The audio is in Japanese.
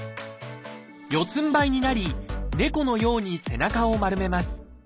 四つんばいになり猫のように背中を丸めます。